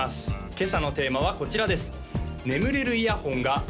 今朝のテーマはこちらです